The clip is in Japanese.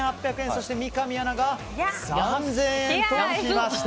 そして三上アナが３０００円となりました。